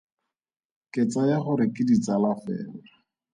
Ke tsaya gore ke ditsala fela.